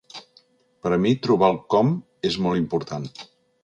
Per a mi trobar el com és molt important.